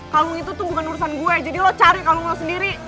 kamu itu tuh bukan urusan gue jadi lo cari kalau lo sendiri